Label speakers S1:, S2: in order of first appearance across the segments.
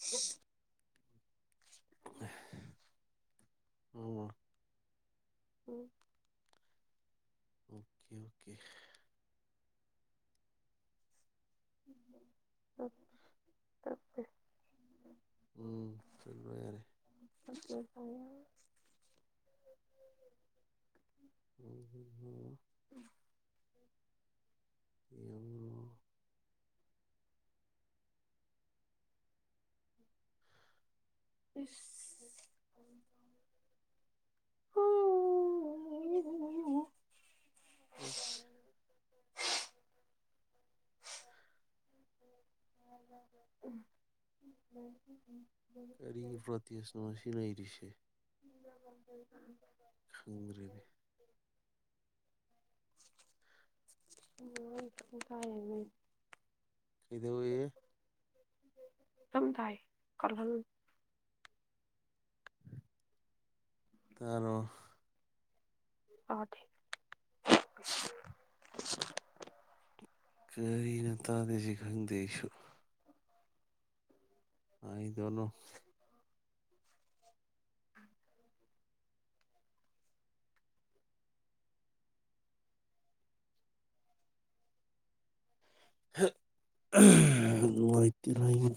S1: inaudible
S2: inaudible ꯑꯣ
S1: ꯎꯝ
S2: okay okay
S1: ꯑꯣꯦ ꯑꯣꯀꯦ
S2: ꯎꯝ ꯆꯠꯂꯂꯣ ꯌꯥꯔꯦ ꯎꯝ ꯍ ꯍꯝ ꯌꯦꯕꯨꯣ
S1: ꯍ ꯌꯦ
S2: ꯑ
S1: [unintelligible]
S2: ꯀꯔꯤꯕ꯭ꯔꯇꯁꯅꯁꯤꯅ ꯏꯔꯤꯁꯦ
S1: ꯎꯝ
S2: ꯐꯣꯡꯨꯡꯔꯅꯦ
S1: ꯀꯥꯏꯕ
S2: ꯏꯗ
S1: ꯁꯗꯥꯏ ꯀꯍꯜ
S2: ꯇꯔꯣ
S1: ꯑ ꯊ
S2: ꯀꯔꯤꯅ ꯇꯥꯗꯦꯁꯤ ꯈꯪꯗꯦ ꯑꯩꯁꯨ ꯍꯥꯏ ꯆꯅꯣ ꯏꯇꯔ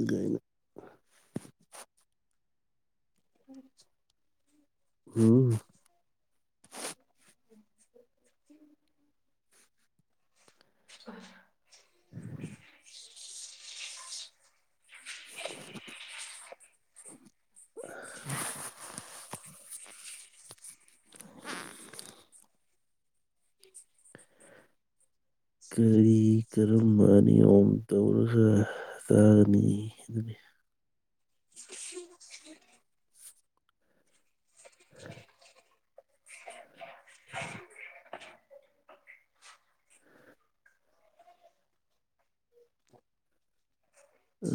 S2: ꯎ ꯀꯥꯏꯅ
S1: ꯎꯝ
S2: ꯎꯝ
S1: ꯑ ꯍ
S2: [unintelligible] [inaudible] ꯀꯔꯤ ꯀꯔꯝꯕ ꯅꯤꯌꯣꯝ ꯇꯧꯔꯒ ꯆꯥꯒꯅꯤ ꯑꯗꯨꯅꯤ [inaudible] [inaudible]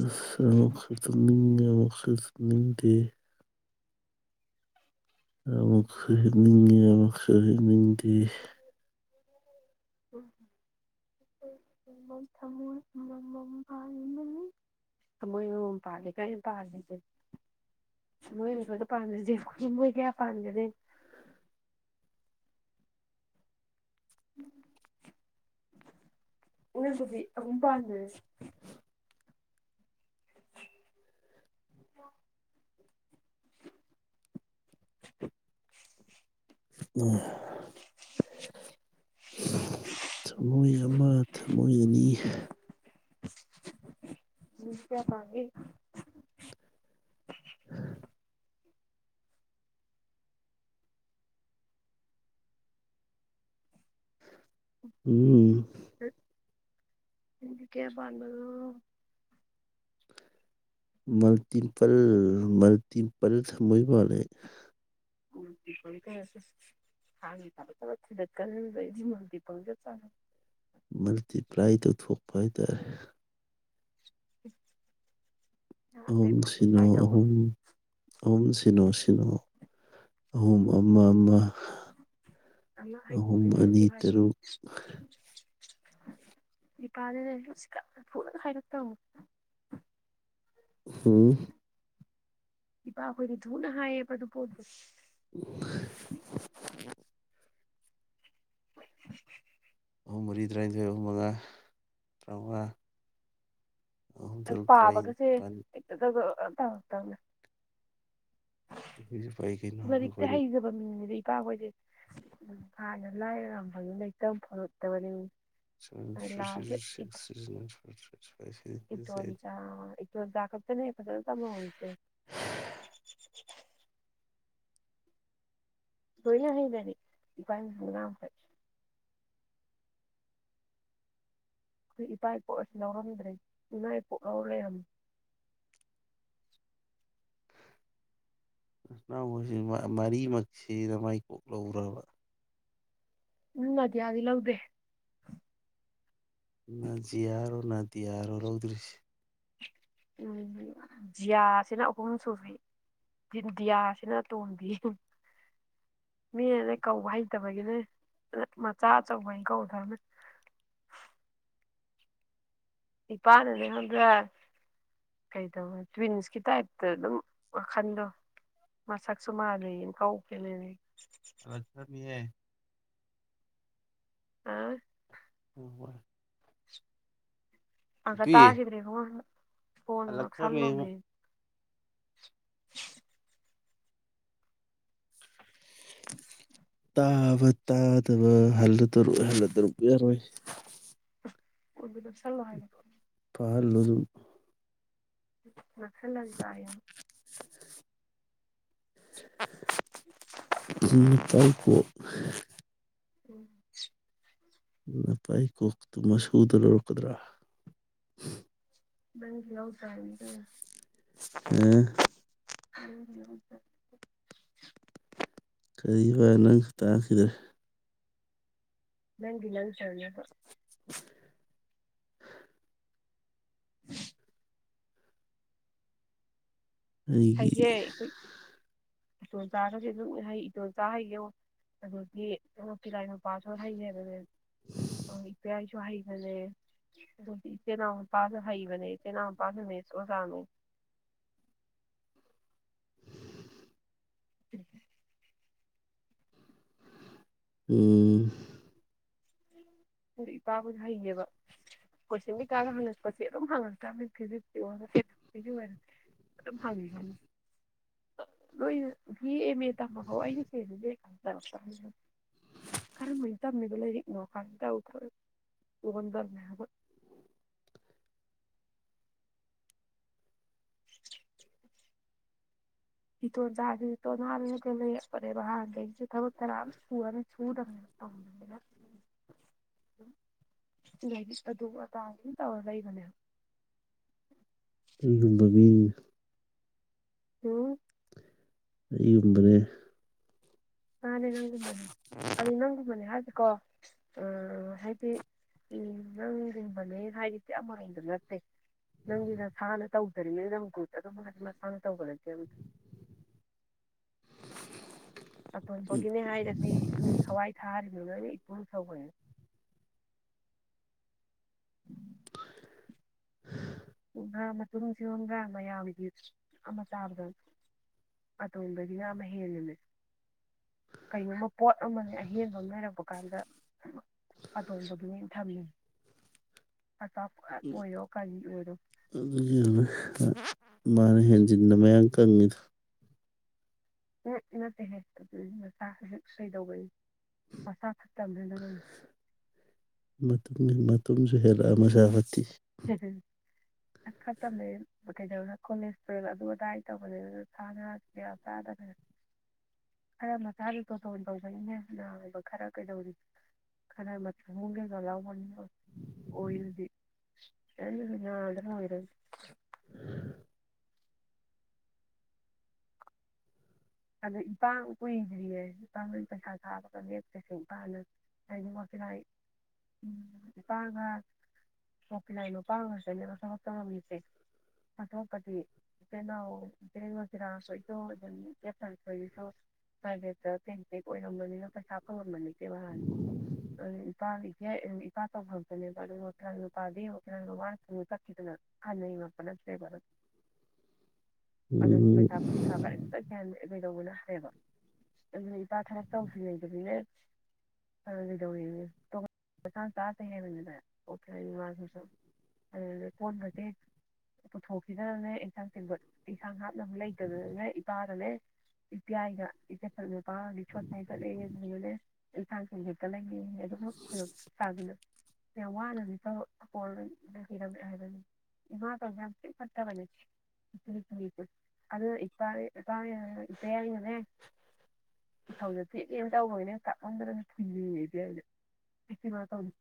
S2: ꯑꯁꯈꯛꯇꯅꯤ ꯑꯃꯈꯛꯇꯅꯤ ꯗꯦ ꯑꯃꯨꯛ ꯁꯍꯤꯅꯤꯦ ꯑꯃꯛ ꯁꯍꯤꯦꯅꯤ ꯗꯒꯤ
S1: ꯊꯃꯣꯏ ꯃꯃꯝ ꯄꯥꯜꯂꯤꯦ ꯀ ꯄꯥꯜꯂꯤꯁꯦ ꯊꯃꯣꯏꯅꯗ ꯄꯥꯗꯁꯦ ꯊꯃꯣꯏ ꯀꯌꯥ ꯄꯥꯟꯗꯗꯦ ꯎꯅ ꯀꯣꯕꯤꯒꯨꯝꯄꯥꯗ [inaudible]
S2: ꯎ ꯊꯃꯣꯏ ꯑꯃ ꯊꯃꯣꯏ ꯑꯅꯤ
S1: ꯎ ꯀꯌꯥ ꯇꯥꯡꯦ
S2: ꯎꯝ
S1: ꯀꯦꯄꯥꯟꯕꯗꯣ
S2: ꯃꯜꯇꯤꯄꯜ ꯃꯜꯇꯤꯄꯜ ꯊꯃꯣꯏꯕꯦ
S1: ꯃ ꯀ ꯍ ꯆ ꯆꯀꯗꯤ ꯃꯗꯤ ꯄ ꯆꯔꯦ
S2: ꯃꯜꯛꯇꯤ ꯄ꯭ꯔꯥꯏ ꯇꯣ ꯊꯣꯛꯄꯥꯏꯇꯥꯔꯦ
S1: [inaudible] ꯑꯇꯩ
S2: ꯑꯍꯨꯝ ꯁꯤꯅꯣ
S1: ꯃꯜꯇꯤꯄ꯭ꯂꯥꯏ ꯇꯧꯕ
S2: ꯑꯍꯨꯝ ꯑꯍꯨꯝ ꯁꯤꯅꯣ ꯁꯤꯅꯣ ꯑꯍꯨꯝ ꯑꯃ ꯑꯃ
S1: ꯑ ꯍꯥꯏ
S2: ꯑꯍꯨꯝ
S1: ꯍꯥꯏ ꯑꯗꯨ
S2: ꯑꯅꯤ
S1: ꯍꯥꯏꯔ
S2: ꯇꯔꯨꯛ
S1: ꯅꯤꯄꯥꯗ ꯂꯩꯁꯤ ꯀ ꯐꯨꯅꯅ ꯍꯥꯏꯔꯛꯇꯕꯅ
S2: ꯎꯝ
S1: ꯏꯄꯥ ꯑꯩꯈꯣꯏꯗꯤ ꯨꯅ ꯍꯥꯏꯌꯦꯕꯗꯨꯄꯣꯠ
S2: INAUDIBLE ꯑꯍꯨꯝ ꯃꯔꯤ ꯇꯔꯥꯅꯤꯊꯣꯏ ꯑꯍꯨꯝ ꯃꯉꯥ ꯇꯔꯥꯃꯉꯥ ꯑꯍꯨꯝ ꯇꯔꯨꯛ
S1: ꯄꯥꯕꯒꯁꯦ
S2: ꯇꯔꯥꯅꯤꯄꯥꯟ
S1: ꯍꯦꯛꯇꯗꯒ ꯑ ꯇ ꯇꯅꯦ
S2: ꯑꯩꯈꯣꯏꯁꯨ ꯄꯥꯏ ꯀꯩꯅꯣ
S1: ꯃꯔꯤꯛꯇ
S2: ꯑꯩꯈꯣꯏꯅ
S1: ꯍꯥꯏꯖꯕ ꯃꯤ ꯏꯄꯥꯈꯣꯏꯗꯤ ꯎ ꯍꯥꯟꯅ ꯂꯥꯏꯔꯔꯝꯕꯒꯤ ꯂꯩꯇ ꯐꯣꯂꯛꯇꯕꯅꯤ
S2: INAUDIBLE
S1: ꯏ ꯂꯤ ꯆꯣ ꯗꯀꯗꯅꯦ ꯐꯁ ꯃꯥꯣꯜꯁ ꯣꯏꯂ ꯍꯗꯅꯤꯝ ꯐ ꯑꯩꯈꯣꯏ ꯏꯄꯥ ꯏꯄꯨ ꯑꯁꯤ ꯂꯧꯔꯝꯗ꯭ꯔꯦ ꯏꯃꯥ ꯏꯄꯣꯛ ꯂꯧꯔ ꯂꯩꯔꯝꯃꯤ
S2: ꯅꯎꯁꯤ ꯃꯔꯤꯃꯛꯁꯤꯗ ꯃꯥꯏ ꯀꯣꯛ ꯂꯧꯔꯕ
S1: ꯎꯝꯗꯤ ꯌꯥꯗ ꯂꯥꯎꯗꯦ
S2: ꯅꯖꯤꯌꯥꯔꯣ ꯅ ꯗꯤꯌꯥꯔꯣ ꯂꯧꯗ꯭ꯔꯤꯁꯤ
S1: ꯎꯝ ꯖꯤꯌꯥꯁꯤꯅ ꯑꯍꯨꯝ ꯁꯨꯕꯤ ꯗꯤꯌꯥꯁꯤꯅ ꯇꯣꯝꯕꯤ ꯃꯤꯅ ꯀꯧꯕ ꯍꯩꯇꯕꯒꯤꯅꯦ ꯃꯆꯥ ꯑꯆꯧꯕꯒꯤ ꯀꯧꯗꯕꯅꯦ ꯏꯄꯥꯅꯅꯦ ꯈꯕ꯭ꯔꯥ ꯀꯩꯗꯧꯋꯦ ꯇ꯭ꯋꯤꯟꯁꯀꯤ ꯇꯥꯏꯞꯇ ꯑꯗꯨꯝ ꯋꯥꯈꯟꯗꯣ ꯃꯁꯛꯁꯨ ꯃꯥꯜꯂꯌꯦꯡ ꯀꯧ ꯀꯅ
S2: ꯑꯂꯛꯆꯔ ꯃꯤꯌꯦ
S1: ꯑꯥ
S2: ꯑ
S1: ꯑꯒ ꯇꯥꯁꯗ꯭ꯔꯦ ꯍ ꯐꯅ
S2: ꯍꯜꯂꯛꯈ꯭ꯔꯃꯤ
S1: ꯁꯜꯂꯣ [inaudible]
S2: ꯇ ꯇꯥꯗꯕ ꯍꯜꯂ ꯇꯔ ꯍꯜꯂ ꯇꯔꯨ ꯌꯥꯔꯣꯏ
S1: ꯑꯣꯕꯨꯗꯁꯣ ꯁꯂ ꯍꯥꯏꯦ
S2: ꯄꯥꯜꯂꯨꯡ
S1: ꯐꯁꯜꯦꯜ ꯇꯥꯏ
S2: [inaudible]
S1: [inaudible]
S2: ꯎ ꯇꯥꯏꯄ
S1: ꯎꯝ
S2: ꯅ ꯄꯥꯏ ꯀꯣꯛꯇꯨ ꯃꯁꯨꯗ ꯂꯧꯔꯛꯀꯗ꯭ꯔꯥ
S1: ꯪꯗꯤ ꯌꯥꯥꯎ ꯇꯥꯏꯅꯤ ꯀ
S2: ꯑ
S1: ꯎꯝ
S2: ꯀꯔꯤ ꯋꯥ ꯅꯪ ꯇꯥꯈꯤꯗ꯭ꯔꯦ
S1: ꯅꯪꯗꯤ ꯅꯪ ꯆꯅꯕ
S2: [unintelligible]
S1: [unintelligible]
S2: ꯑꯩꯒꯤ
S1: ꯏꯇꯣꯆꯥꯗꯗꯤ ꯑꯗꯨꯝ ꯍꯩ ꯏꯇꯣꯜꯆꯥ ꯍꯩꯒꯣ ꯑꯗꯨꯗꯒꯤꯄꯤꯤꯂꯥꯏ ꯃꯄꯥꯁꯨ ꯍꯩꯌꯦꯕꯅꯦ ꯏꯄꯥꯌꯥꯁꯨ ꯍꯩꯕꯅꯦ ꯑꯗꯨꯗꯤ ꯏꯆꯤꯜ ꯏꯅꯥꯎꯄꯥꯁꯨ ꯍꯩꯕꯅꯦ ꯏꯆꯤ ꯏꯅꯥꯎꯄꯥꯁꯨ ꯃꯤꯁ ꯑꯣꯖꯥꯅꯤ ꯎꯝ
S2: ꯎꯝ
S1: ꯏꯄꯥꯕꯨꯁꯨ ꯍꯩꯉꯦꯕ ꯀꯣꯏꯁꯤꯡ ꯏꯀꯥꯒ ꯍꯪꯉꯛꯄꯁꯦ ꯑꯗꯨꯝ ꯍꯪꯉꯛꯇꯕꯅꯦ ꯐꯤꯖꯤꯛꯁꯀꯤ ꯑꯣꯏ ꯐꯤꯒꯤ ꯑꯗꯨꯝ ꯍꯥꯡꯉꯤꯅꯤ ꯅꯣꯏꯅ ꯑꯦꯝ ꯑꯦ ꯇꯝꯃꯍ ꯑꯩꯅ ꯁꯦꯕ ꯈꯔꯝꯕꯅ ꯇꯝꯃꯤꯕ ꯂꯥꯏꯔꯤꯛ ꯅ ꯀꯥꯟꯗ ꯎꯊ ꯑꯣꯟꯗꯔꯃꯦꯕ [unintelligible] ꯏꯇꯣ ꯇꯥꯇꯅꯔꯒ ꯂꯩꯅꯦꯦꯕ ꯍꯥꯡ ꯑꯕꯨ ꯇꯔꯥꯡ ꯆꯨꯔ ꯆꯨꯗ ꯉꯅ ꯇ ꯂꯩꯥꯏꯁꯨ ꯑꯗꯨ ꯑꯥꯡ ꯁꯝ ꯇꯧꯔ ꯂꯩꯕꯅꯦ
S2: ꯑꯩꯨꯝꯕꯕꯤꯟ
S1: ꯎꯝ
S2: ꯑꯩꯒꯨꯝꯕꯅꯦ
S1: ꯅꯅꯦ ꯅꯪꯨ ꯃꯅꯦ ꯑꯗꯨ ꯅꯪ ꯃꯅꯦ ꯍꯥꯏꯦ ꯀꯣ ꯍꯥꯏꯗꯤ ꯅꯪ ꯂꯤꯡꯕꯅꯦ ꯍꯥꯏꯗꯤꯗꯤꯤ ꯑꯃꯔꯣꯗ ꯅꯠꯇꯦ ꯅꯪꯗꯤ ꯅꯁꯥꯅ ꯇꯧꯗꯔꯤꯉꯩꯗ ꯒ꯭ꯔꯨꯠ ꯑꯗꯨꯝ ꯍꯥꯏꯗꯤ ꯃꯁꯥꯅ ꯇꯧꯒ ꯅꯠꯇꯦ ꯑꯗꯨ ꯑꯇꯣꯏꯕꯒꯤꯅꯦ ꯍꯥꯏꯔꯗꯤ ꯊꯋꯥꯏ ꯊꯥꯔꯤ ꯌꯦꯉꯥꯏꯗꯤ ꯏꯄ ꯁꯦ ꯃꯇꯨꯡꯁꯤꯔꯣꯝꯗ ꯃꯌꯥꯝꯒꯤꯗꯤ ꯑꯃ ꯆꯥꯕꯗ ꯑꯇꯣꯡꯕꯗꯒꯤꯅ ꯑꯃ ꯍꯦꯟꯜꯂꯤꯃꯦ ꯀꯩꯒꯨꯝꯕ ꯄꯣꯠ ꯑꯃ ꯑꯍꯦꯟꯕ ꯑꯃ ꯂꯩꯔꯛꯄ ꯀꯥꯟꯗ ꯑꯇꯣꯡꯕꯗꯨꯅꯦ ꯊꯝꯃꯤ ꯑꯇꯥ ꯑꯣꯏꯣ ꯀꯒꯤ ꯎ
S2: ꯍ ꯃꯥꯅ ꯍꯦꯟꯖꯤꯟꯅ ꯃꯌꯥꯡ ꯀꯪꯉꯤꯗꯨ
S1: ꯎ ꯅꯠꯇꯦ ꯍꯦꯛꯇ ꯃꯁꯥ ꯍꯦꯛ ꯁꯩꯗꯧꯕꯅꯤ ꯃꯁꯥ ꯐꯠꯇꯕꯅꯤꯅ ꯅꯪ
S2: ꯃꯇꯨꯡ ꯃꯇꯨꯡꯨꯝꯁꯨ ꯍꯦꯜꯂꯛ ꯑꯃ ꯁꯥꯕꯠꯇꯤ
S1: ꯑꯁ ꯈꯛꯇꯅꯦ ꯀꯩꯗꯧꯅ ꯀꯣꯂꯦꯖ ꯇꯨꯋꯦꯜꯚ ꯑꯗꯨ ꯑꯗꯥꯏꯗ ꯇꯧꯕꯅꯦ ꯑꯗꯨꯅꯅꯌꯥ ꯆꯥꯗꯅꯅ ꯈꯔ ꯃꯆꯥꯗꯨ ꯇꯣꯇꯣꯟ ꯇꯧꯕꯅꯦꯅꯥꯕ ꯈꯔ ꯀꯩꯗꯧꯔꯤ ꯈꯔ ꯃ ꯀꯩꯗꯣ ꯂꯧꯕꯅꯤ ꯑꯣꯏꯔꯗꯤ ꯑꯦ ꯅꯗ ꯑꯣꯏꯔ ꯑꯗ ꯏꯄꯥ ꯀꯨꯏꯗ꯭ꯔꯤꯌꯦ ꯏꯄꯥꯅ ꯄꯩꯁꯥ ꯊꯥꯕꯒ ꯂꯦꯞꯇꯦꯁꯦ ꯏꯄꯥꯅ ꯍꯥꯏꯗꯤ ꯃꯀꯤꯂꯥꯏ ꯎ ꯏꯄꯥꯒ ꯃꯀꯤꯤꯂꯥꯏ ꯃꯄꯥꯡꯒꯁꯨꯦꯅꯦ ꯊꯕꯛ ꯇꯧꯔꯝꯃꯤꯁꯦ ꯐꯥꯊꯣꯛꯄꯗꯤ ꯏꯆꯦ ꯏꯅꯥꯎ ꯏꯆꯦꯟ ꯉꯆꯤꯔꯥꯡ ꯁꯣꯏꯗꯣꯛ ꯑꯗꯨꯝ ꯍꯥꯏꯦ ꯇꯦꯡ ꯇꯦꯛ ꯑꯣꯏꯔꯝꯃꯅꯤꯅ ꯄꯩꯁꯥ ꯐꯪꯉꯝꯃꯅꯤ ꯁꯤ ꯋꯥꯟ ꯅꯨꯄꯥꯗꯤꯁꯦ ꯏꯄꯥ ꯇꯧꯐꯝꯗꯅꯦꯕ ꯑꯗꯨꯒ ꯍꯣꯇꯅꯥꯜ ꯅꯨꯄꯥꯗꯤ ꯍꯣꯇꯤꯥꯟ ꯅꯨꯄꯥꯅ ꯁꯨꯝꯅ ꯆꯠꯈꯤꯗꯅ ꯍꯥꯟꯅꯩꯉꯄ ꯅꯁꯨꯦ ꯚ
S2: ꯎꯝ
S1: ꯀꯩꯗꯧꯕꯅ ꯍꯥꯏꯌꯦꯕ ꯑꯗꯨꯅ ꯏꯄꯥ ꯊꯔ ꯇꯧꯁꯨ ꯂꯩꯇꯕꯅꯤꯅꯦ ꯀꯩꯗꯧꯔꯤꯥꯡ ꯆꯥꯖꯩ ꯍꯥꯏꯕꯅꯤꯅ ꯑꯣꯦ ꯏꯃꯥꯁꯨ ꯁꯨꯝ ꯑꯗꯨꯅ ꯀꯣꯟꯕꯁꯦ ꯄꯨꯊꯣꯛꯈꯤꯗꯅꯅꯦ ꯏꯟꯁꯥꯡ ꯊꯦꯡꯈꯠ ꯏꯟꯁꯥꯡ ꯍꯥꯞꯅꯕ ꯂꯩꯇꯕꯅꯤꯅ ꯏꯄꯥꯗꯅꯦ ꯏꯄꯥꯌꯥꯒ ꯏꯆꯠ ꯃꯄꯥꯒꯗꯤ ꯁꯣꯠꯁꯥꯏ ꯆꯠꯂꯦ ꯑꯗꯨꯅꯅꯦ ꯏꯟꯁꯥꯡꯁꯤꯡ ꯍꯦꯛꯇ ꯂꯩꯒ ꯑꯗꯨꯅ ꯈꯨꯗꯣꯡ ꯆꯥꯗꯅ ꯌꯥꯝ ꯋꯥꯅꯗꯤꯆꯧꯄꯅ ꯍꯤꯔꯝꯃꯦꯦ ꯍꯥꯏꯕꯅꯤ ꯏꯃꯥ ꯇꯧꯁ ꯌꯥꯝ ꯆꯤꯛ ꯐꯠꯇꯕꯅꯦ ꯏꯆꯨ ꯏꯁꯦ ꯑꯗꯨꯅ ꯏꯄꯥ ꯏꯄꯥ ꯌꯥ ꯏꯇꯦ ꯌꯥꯏꯅꯅꯦ ꯏꯊꯧꯗ ꯊꯤꯂꯦ ꯇꯧꯕꯒꯤꯅꯦ ꯀꯥꯛꯂꯝꯝꯗ꯭ꯔꯁꯨ ꯊꯨꯉꯉ ꯏꯕꯦꯁꯦ ꯏꯆꯤꯃ ꯇꯧꯅꯤ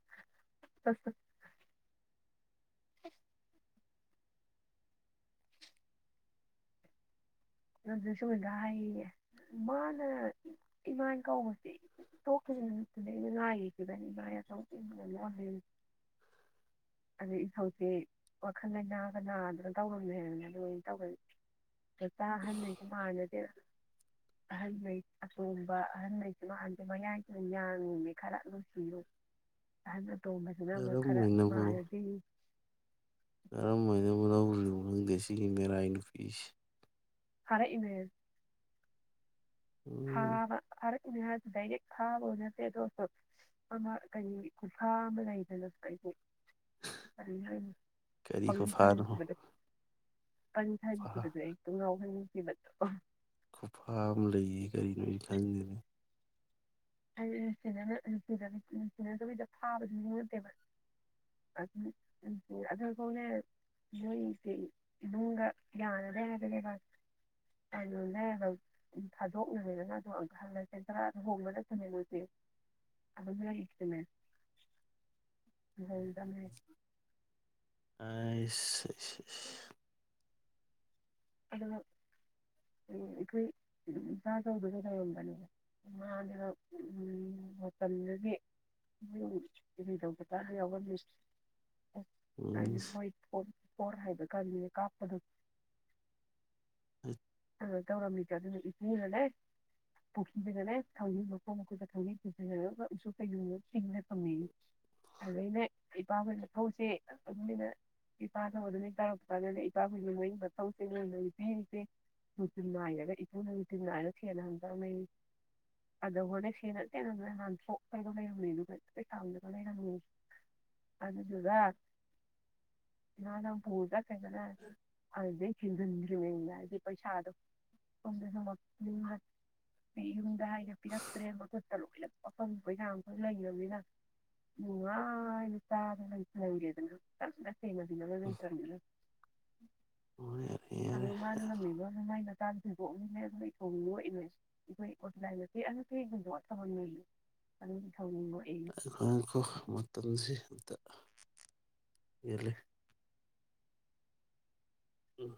S1: ꯑꯗꯨꯣꯖꯤ ꯁꯨꯃꯤꯗꯥ ꯍꯥꯏꯌꯦ ꯃꯥꯅ ꯏꯃꯥꯅ ꯀꯧꯕꯁꯦ ꯊꯣꯛꯈꯤꯕꯅꯠꯇꯗꯩꯩꯅ ꯉꯥꯏꯈꯤꯈꯤꯕꯅꯤ ꯏꯃꯥ ꯑꯆꯧ ꯏꯕꯅ ꯂ ꯑꯗꯨ ꯏꯧꯁꯦ ꯋꯥꯈꯜ ꯂꯩꯥꯏꯅꯥ ꯀꯅꯥꯗꯅ ꯇꯧꯔꯝꯃꯦꯗꯅ ꯑꯗꯨꯃꯥꯏꯅ ꯇꯧꯒꯅꯤ ꯑꯍꯜꯉꯩ ꯑꯇꯣꯡꯕ ꯑꯍꯜꯉꯩꯁꯨ ꯅꯍꯥꯟꯁꯦ ꯃꯌꯥꯏꯁꯨ ꯌꯥꯉꯅꯦ ꯈꯔ ꯅꯨꯡꯁꯤꯌꯨ ꯑꯍ ꯑꯇꯣꯕꯁꯤꯅ ꯑꯃ
S2: ꯀꯔꯝ
S1: ꯈꯔ
S2: ꯍꯥꯏꯅꯕꯨ
S1: ꯅꯥꯔꯗꯤ
S2: ꯀꯔꯝ ꯍꯥꯏꯅꯕꯨ ꯂꯧꯔꯤꯅꯣ ꯁꯤꯒꯤ ꯃꯦ ꯔ ꯏꯪ ꯐꯤꯤꯁ
S1: ꯍꯔꯛ ꯏꯅꯦ
S2: ꯎꯝ
S1: ꯍꯔ ꯉꯍꯥꯁꯨ ꯗꯥꯏꯔꯦꯛ ꯊꯥꯕ ꯅꯠꯇꯦ ꯑꯗꯨ ꯑꯣꯏꯁꯨ ꯑꯃ ꯀꯔꯤ ꯀꯨꯟꯐꯥ ꯑꯃ ꯂꯩꯗꯅꯁꯨ ꯀ ꯉ
S2: ꯀꯔꯤ ꯈꯨꯐꯥꯅꯣ
S1: ꯄꯟ
S2: ꯈꯨꯐꯥ
S1: ꯊꯥꯏꯕꯤꯈꯤꯕꯗꯣ ꯑꯩ ꯑꯗꯨꯝ ꯉꯥꯎꯍꯅꯤꯡꯉꯤ [unintelligible]
S2: ꯈꯨꯐꯥ ꯑꯃ ꯂꯩꯌꯦ ꯀꯔꯤꯅꯣꯁꯨ ꯈꯪꯗꯦꯅ
S1: ꯑ ꯅꯨꯡꯁꯤ ꯅꯨꯡꯁꯤꯅꯗꯕꯤꯗ ꯐꯥꯕꯁꯨ ꯉꯠꯇꯦꯕ ꯑꯗꯨꯈꯅꯦ ꯅꯣꯏꯁꯦ ꯏꯃꯨꯡꯗ ꯌꯥꯅ ꯂꯩꯔꯒ ꯀꯀ ꯀꯩꯅꯣ ꯂꯩꯔꯒ ꯊꯥꯗꯣꯛꯅꯕꯅꯕꯗꯅ ꯑꯗꯨꯣ ꯍꯜꯂꯁꯦ ꯈꯔꯥ ꯑꯗꯨ ꯍꯣꯡꯕꯗ ꯁꯦ ꯑ ꯍ ꯃ ꯑꯗꯨꯗꯅꯤ
S2: ꯑ
S1: ꯑ ꯑꯩꯈꯣꯏ ꯏꯄꯥ ꯇꯗꯨꯅ ꯂꯩꯔꯝꯕꯅꯦꯕ ꯏꯃꯥꯅꯦ ꯃꯇꯝꯗꯨꯗꯒꯤ ꯃꯌ ꯀ ꯇꯧꯕ ꯇꯥꯔ ꯌꯥꯎꯔꯝꯃꯤ ꯑꯗꯨ
S2: ꯑꯩꯁ
S1: ꯍꯣꯏ ꯐꯣ ꯍꯔ ꯍꯥꯏꯕ ꯀ ꯀꯥꯞꯄꯗꯨ
S2: ꯑ
S1: ꯀꯣ ꯇꯧꯔꯝꯃꯤꯗꯦ ꯑꯗꯨꯅ ꯏꯄꯨꯅꯅꯦ ꯄꯨꯈꯁꯤꯁꯤꯅꯅꯦ ꯈꯪꯖꯤꯩ ꯃꯈꯣꯡ ꯃꯈꯨꯠꯇ ꯈꯪꯖꯤꯩ ꯄꯨꯁꯤꯔ ꯎꯁꯨ ꯀꯩꯒꯨꯝꯅ ꯇꯤꯡꯖ ꯐꯝꯃꯤ ꯑꯗꯨꯗ ꯑꯩꯅ ꯏꯄꯥ ꯍꯣꯏꯅ ꯊꯧꯁꯦ ꯑꯗꯨꯃꯥꯏꯅ ꯏꯄꯥ ꯊꯧ ꯑꯗꯨꯃ ꯇꯥꯔꯛꯄ ꯀꯥꯟꯗꯩꯅ ꯏꯄꯥ ꯍꯣꯏꯅ ꯃ ꯃ ꯊꯧꯁꯦ ꯂꯅꯒꯤ ꯄꯤꯔꯤꯁꯦ ꯃꯅꯨꯡꯆꯤꯟ ꯅꯥꯏꯔꯒ ꯏꯄꯨꯅ ꯅꯨꯡꯆꯤꯟ ꯅꯥꯏꯔꯒ ꯁꯦꯟꯅꯍꯝꯗꯕꯅꯤ ꯑꯗ ꯍꯣꯔꯅ ꯁꯦꯟꯅ ꯇꯦꯗꯅ ꯅꯍꯥꯟꯊꯣꯛ ꯀꯩꯒ ꯂꯩꯔꯝꯃꯤꯗꯨ ꯀ ꯀꯩ ꯁꯥꯝꯗꯒ ꯂꯩꯔꯝꯃꯤ ꯑꯗꯨꯗꯨꯒ ꯅꯍꯥꯟꯅ ꯄꯨꯗ ꯀꯩꯗꯅ ꯑꯗꯨꯗꯩ ꯆꯤꯟꯁꯤꯟꯗ꯭ꯔꯤꯉꯩꯗ ꯍꯥꯏꯗꯤ ꯄꯩꯁꯥꯗ ꯀꯗ ꯁ ꯍꯥꯏꯦ ꯄꯤꯌꯥꯦ ꯂꯣꯏꯅ ꯄꯀꯪ ꯄꯖꯈ ꯂꯩꯈ꯭ꯔꯕꯅꯤꯅ ꯅꯨꯡꯉꯥꯏꯅ ꯆꯥꯗꯅ ꯂꯩꯁꯤꯜꯂꯝꯒꯦꯗꯅꯪꯗ ꯁꯤꯅꯗꯤꯅ ꯇꯔꯃꯦ
S2: ꯎꯝ ꯌꯥꯔꯦ ꯌꯥꯔꯦ
S1: ꯑꯗꯨꯗ ꯃꯥꯔꯅꯃꯤ ꯃꯥꯏ ꯃꯇꯥꯡ ꯊꯣꯏꯗꯣꯛꯅꯤꯡꯉ ꯑꯗꯨꯣꯏ ꯇꯣꯡꯅꯤꯡꯏꯣꯏ ꯑꯩꯈꯣꯏ ꯑꯣꯖꯂꯥꯏꯗ ꯀ ꯑ ꯀ ꯣꯏꯕꯣ ꯇꯧꯍꯟꯂꯣꯏꯅꯦ
S2: ꯑꯩꯈꯣꯈꯣ ꯃꯇꯝꯁꯤ ꯏꯔ ꯂꯩ ꯎꯝ ꯎꯝ